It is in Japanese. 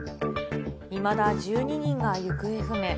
いまだ１２人が行方不明。